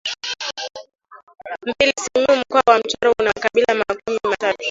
Mbili Simiyu Mkoa wa Mtwara una makabila makuu matatu